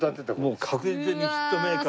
もう確実にヒットメーカーになってね。